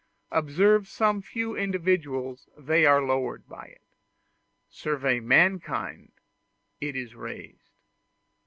Observe some few individuals, they are lowered by it; survey mankind, it is raised.